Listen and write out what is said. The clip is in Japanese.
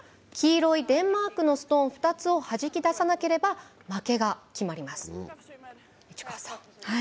黄色いデンマークのストーン２つをはじき出さなければ負けが決まります。